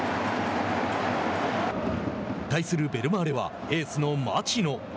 対するベルマーレはエースの町野。